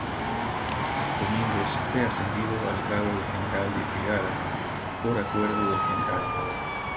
Domínguez fue ascendido al grado de General de Brigada, por acuerdo del Gral.